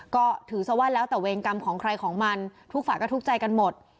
ก็ถือซะว่าแล้วแต่เวรกรรมของใครของมันทุกฝ่ายก็ทุกข์ใจกันหมด